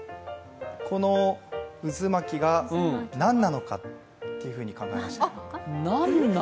この渦巻きが何なのかっていうふうに考えれば。